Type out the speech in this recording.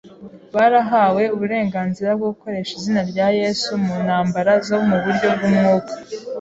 barahawe uburenganzira bwo gukoresha izina rya Yesu mu ntambara zo mu buryo bw’umwuka